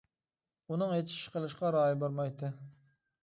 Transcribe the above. ئۇنىڭ ھېچ ئىش قىلىشقا رايى بارمايتتى.